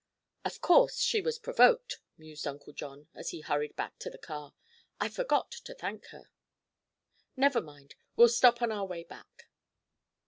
"Of course she was provoked," mused Uncle John, as he hurried back to the car. "I forgot to thank her. Never mind; we'll stop on our way back."